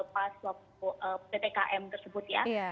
pas pt km tersebut ya